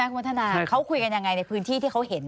คุณวัฒนาเขาคุยกันยังไงในพื้นที่ที่เขาเห็น